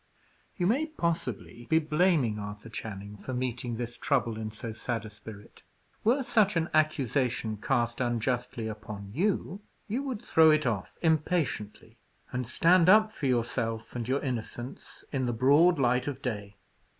You may possibly be blaming Arthur Channing for meeting this trouble in so sad a spirit. Were such an accusation cast unjustly upon you, you would throw it off impatiently, and stand up for yourself and your innocence in the broad light of day.